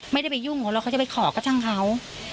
ไม่ได้ไปยุ่งกับเราเขาจะไปขอก็ช่างเขา